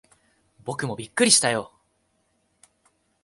僕もびっくりしたよ。